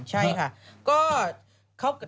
ใช่ค่ะก็